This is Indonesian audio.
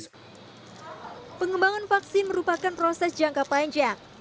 pengembangan vaksin merupakan proses jangka panjang